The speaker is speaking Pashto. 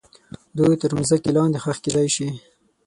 دوی تر مځکې لاندې ښخ کیدای سي.